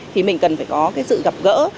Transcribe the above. thì mình cần phải có cái sự gặp gỡ